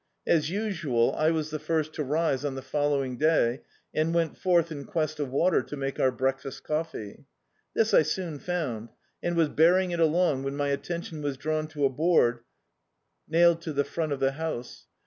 As usual, I was the first to rise on Ac following day, and went forth in quest of water to make our break fast coffee. This I soon found, and was bearing it along, when my attention was drawn to a board nailed to the front of the house.